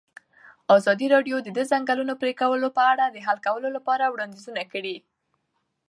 ازادي راډیو د د ځنګلونو پرېکول په اړه د حل کولو لپاره وړاندیزونه کړي.